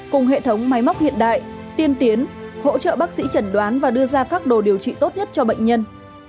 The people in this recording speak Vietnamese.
cùng hệ thống máy móc hiện đại tiên tiến hỗ trợ bác sĩ chẩn đoán và đưa ra pháp đồ điều trị tốt nhất cho bệnh nhân